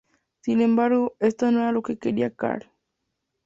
Sin embargo, esto no era lo que quería Carl.